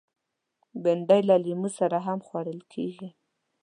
بېنډۍ له لیمو سره هم خوړل کېږي